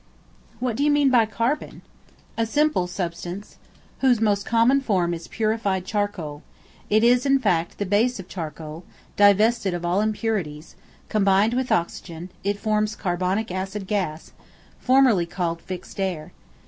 What do you mean by Carbon? A simple substance, whose most common form is purified charcoal: it is, in fact, the base of charcoal, divested of all impurities; combined with oxygen, it forms carbonic acid gas, formerly called fixed air.